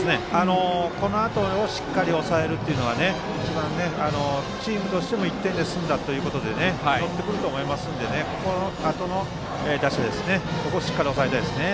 このあとをしっかり抑えるというのは一番、チームとしても１点で済んだということで乗ってくると思いますのでこのあとの打者をしっかり抑えたいですね。